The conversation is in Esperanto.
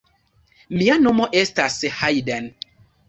Mia nomo estas Hajden.